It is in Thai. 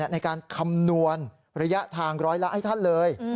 ในการคำนวณระยะทางร้อยละให้ท่านเลย